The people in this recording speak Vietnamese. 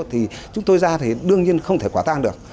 thì chúng tôi ra thì đương nhiên không thể quả tang được